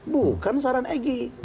bukan saran egy